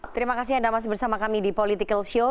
terima kasih anda masih bersama kami di political show